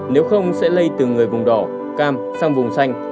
nếu không sẽ lây từ người vùng đỏ cam sang vùng xanh